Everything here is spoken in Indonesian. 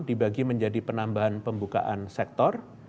dibagi menjadi penambahan pembukaan sektor